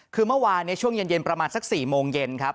คือเมื่อเวียงเย็นประมาณ๐๖๐๐นครับ